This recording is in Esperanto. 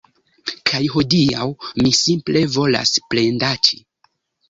Kaj hodiaŭ mi simple volas plendaĉi